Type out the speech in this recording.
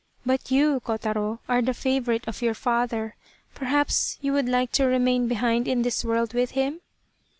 But you, Kotaro, are the favourite of your father perhaps you would like to remain behind in this world with him